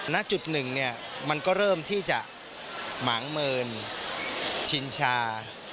ณจุดหนึ่งเนี่ยมันก็เริ่มที่จะหมางเมินชินชา